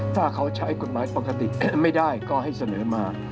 ถ้าเขาใช้กฎหมายปกติแก้ไม่ได้ก็ให้เสนอมา